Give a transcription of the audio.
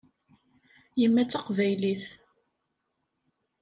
Yemma d taqbaylit.